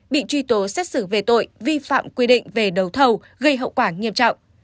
bị truy tố xét xử về tội vi phạm quy định về đầu thầu gây hậu quả nghiêm trọng